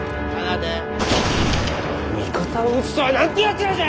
味方を撃つとはなんてやつらじゃ！